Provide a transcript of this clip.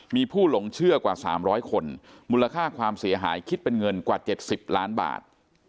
มีผู้หลงเชื่อกว่า๓๐๐คนมูลค่าความเสียหายคิดเป็นเงินกว่า๗๐ล้านบาท